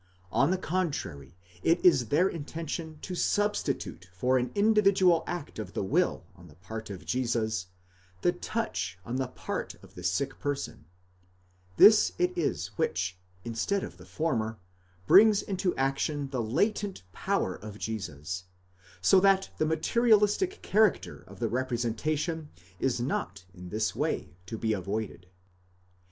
On the contrary, it is their intention to substitute for an indi vidual act of the will on the part of Jesus, the touch on the part of the sick person ; this it is which, instead of the former, brings into action the latent power of Jesus : so that the materialistic character of the representation is not in this way to be avoided.